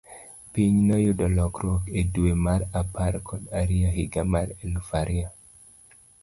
Piny noyudo lokruok e dwe mar apar kod ariyo higa mar elufu ariyo.